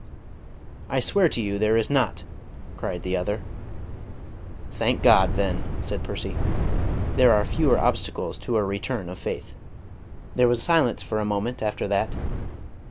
"I swear to you there is not," cried the other. "Thank God then!" said Percy. "There are fewer obstacles to a return of faith." There was silence for a moment after that.